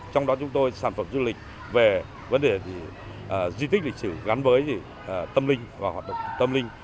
trong đó chúng tôi sản phẩm du lịch về vấn đề di tích lịch sử gắn với tâm linh và hoạt động tâm linh